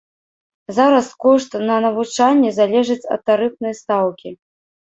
Зараз кошт на навучанне залежыць ад тарыфнай стаўкі.